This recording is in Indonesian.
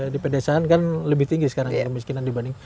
di pedesaan kan lebih tinggi sekarang kemiskinan dibanding